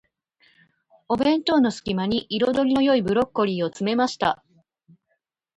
お弁当の隙間に、彩りの良いブロッコリーを詰めました。